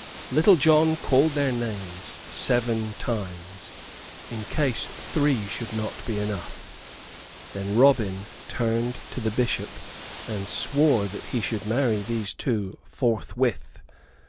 Little John called their names seven times, in case three should not be enough. Then Robin turned to the Bishop and swore that he should marry these two forthwith.